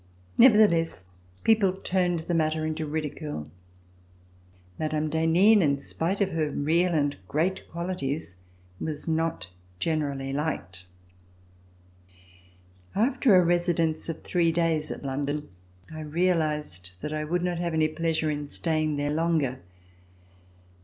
Nevertheless, people turned the matter into ridicule. Mme. d'Henin in spite of her real and great qualities was not generally liked. After a residence of three days at London, I realized that I would not have any pleasure in stay ing there longer.